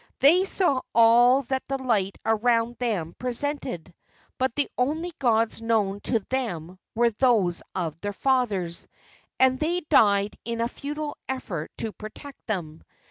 They saw all that the light around them presented, but the only gods known to them were those of their fathers, and they died in a futile effort to protect them.